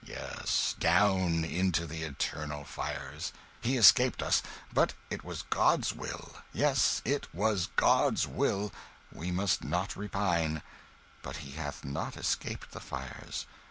Yes, down into the eternal fires! He escaped us but it was God's will, yes it was God's will, we must not repine. But he hath not escaped the fires!